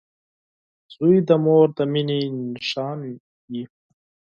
• زوی د مور د مینې نښان وي.